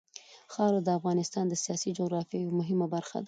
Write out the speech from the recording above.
خاوره د افغانستان د سیاسي جغرافیه یوه مهمه برخه ده.